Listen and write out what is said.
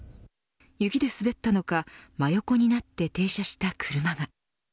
雪で滑ったのか真横になって停車した車が。